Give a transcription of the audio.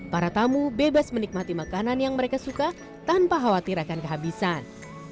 para tamu bebas menikmati makanan yang mereka suka tanpa khawatir akan kehabisan